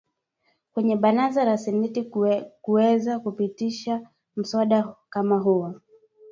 kwenye Baraza la Seneti kuweza kupitisha mswada kama huo